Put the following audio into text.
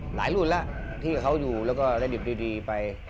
รุ่นแล้วที่เขาอยู่แล้วก็ได้ดิบดีไป